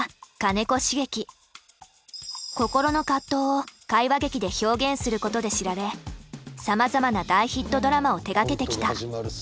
心の葛藤を会話劇で表現することで知られさまざまな大ヒットドラマを手がけてきた。